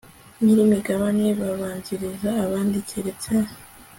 nyirimigabane babanziriza abandi keretse